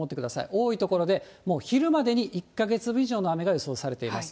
多い所でもう昼までに１か月分以上の雨量が予想されています。